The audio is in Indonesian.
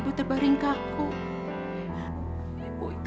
mutta yang benar beneraku harus dried